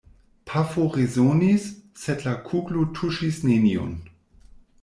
Pafo resonis; sed la kuglo tuŝis neniun.